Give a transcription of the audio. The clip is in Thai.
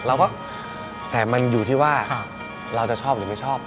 เราก็แต่มันอยู่ที่ว่าเราจะชอบหรือไม่ชอบ